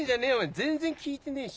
全然効いてねえし。